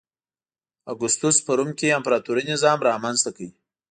اګوستوس په روم کې امپراتوري نظام رامنځته کړ.